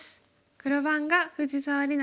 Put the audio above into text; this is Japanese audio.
黒番が藤沢里菜